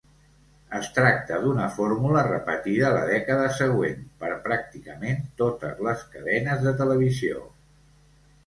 Es tracta d'una fórmula repetida la dècada següent per pràcticament totes les cadenes de televisió.